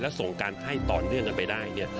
และส่งการให้ต่อเนื่องกันไปได้